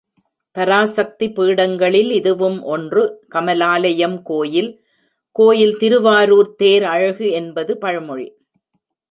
பராசக்தி பீடங்களில் இதுவும் ஒன்று கமலாலயம் கோயில் கோயில் திருவாரூர்த் தேர் அழகு என்பது பழமொழி.